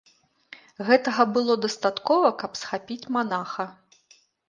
Гэтага было дастаткова, каб схапіць манаха.